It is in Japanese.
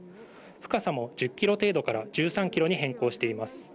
深さも１０ｋｍ程度から１３ｋｍに変更しています。